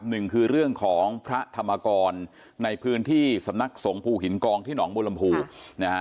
หนึ่งคือเรื่องของพระธรรมกรในพื้นที่สำนักสงภูหินกองที่หนองบุรมภูนะฮะ